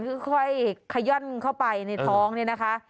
แล้วก็พยายั่นเข้าไปในท้องนี้นะคะ